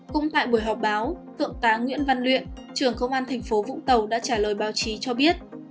cũng tại buổi họp báo tượng tá nguyễn văn luyện trưởng công an tp vũng tàu đã trả lời báo chí cho biết